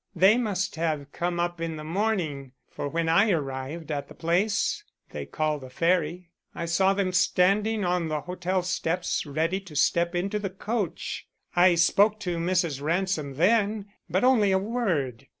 They must have come up in the morning, for when I arrived at the place they call the Ferry, I saw them standing on the hotel steps ready to step into the coach. I spoke to Mrs. Ransom then, but only a word.